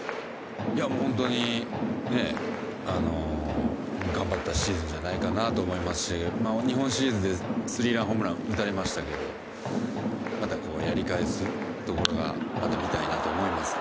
本当に頑張ったシーズンじゃないかなと思いますし日本シリーズでスリーランホームランを打たれましたけどまた、やり返すところを見たいなと思います。